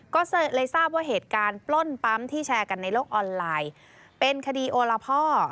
ก็เลยทราบว่าเหตุการณ์ปล้นปั๊มที่แชร์กันในโลกออนไลน์เป็นคดีโอละพ่อ